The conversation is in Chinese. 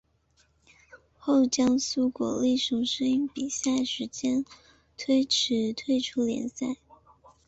后江苏国立雄狮因比赛时间推迟退出联赛。